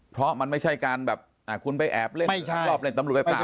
เพราะมันไม่ใช่การแบบคุณไปแอบเล่นชอบเล่นตำรวจไปเปล่า